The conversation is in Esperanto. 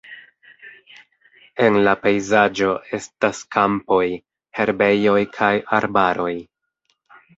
En la pejzaĝo estas kampoj, herbejoj kaj arbaroj.